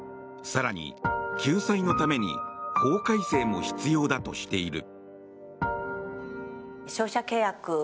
更に、救済のために法改正も必要だとしている。